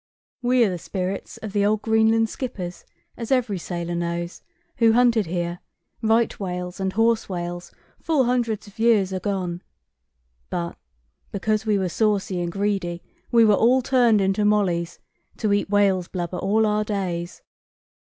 "We are the spirits of the old Greenland skippers (as every sailor knows), who hunted here, right whales and horse whales, full hundreds of years agone. But, because we were saucy and greedy, we were all turned into mollys, to eat whale's blubber all our days.